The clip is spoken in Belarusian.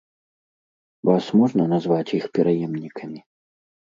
Вас можна назваць іх пераемнікамі?